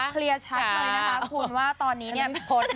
เคลียร์ชัดเลยนะคะคุณว่าตอนนี้เนี่ย